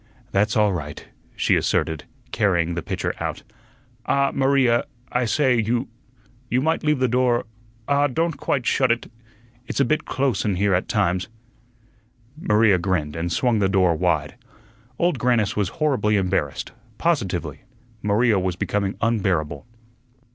"That's all right," she asserted, carrying the pitcher out. "Ah Maria I say, you you might leave the door ah, don't quite shut it it's a bit close in here at times." Maria grinned, and swung the door wide. Old Grannis was horribly embarrassed; positively, Maria was becoming unbearable.